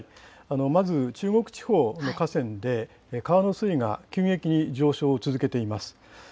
まず中国地方の河川で川の水位が急激に上昇を続けています。